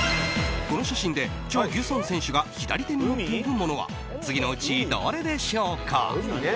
この写真でチョ・ギュソン選手が左手に持っているものは次のうち、どれでしょうか？